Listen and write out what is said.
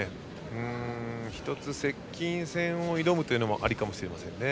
１つ、接近戦を挑むのもありかもしれませんね。